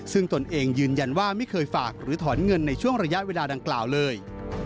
ซึ่งตนเองยืนยันว่าไม่เคยฝากหรือถอนเงินในช่วงระยะเวลาดังกล่าวเลย